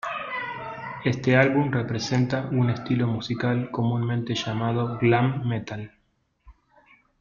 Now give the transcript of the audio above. Este álbum representa un estilo musical comúnmente llamado glam metal.